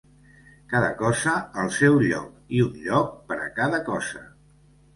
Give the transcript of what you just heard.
Cada cosa, al seu lloc, i un lloc per a cada cosa.